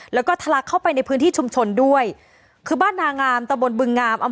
แล้วก็ทะลักเข้าไปในพื้นที่ชุมชนด้วยคือบ้านนางามตะบนบึงงาม